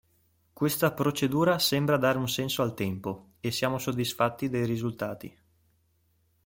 Questa procedura sembra dare un senso al tempo e siamo soddisfatti dei risultati.